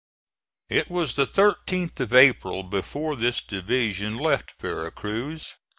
It was the 13th of April before this division left Vera Cruz.